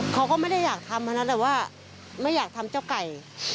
เขาก็ไม่ได้อยากทำนะแต่ว่าไม่อยากทำเจ้าไก่